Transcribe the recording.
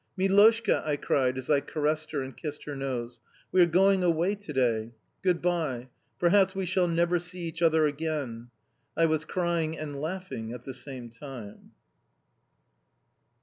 "Miloshka," I cried as I caressed her and kissed her nose, "we are going away today. Good bye. Perhaps we shall never see each other again." I was crying and laughing at the same time.